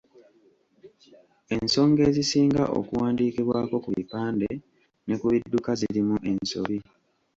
Ensonga ezisinga okuwandiikibwako ku bipande ne ku bidduka zirimu ensobi.